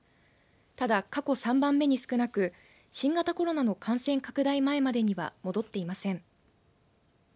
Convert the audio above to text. ただ過去３番目に少なく新型コロナの感染拡大前までには戻っていません。